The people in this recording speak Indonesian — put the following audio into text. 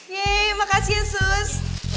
yeay makasih ya sus